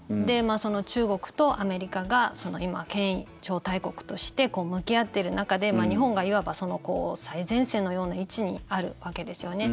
その中国とアメリカが今、超大国として向き合っている中で日本がいわば最前線のような位置にあるわけですよね。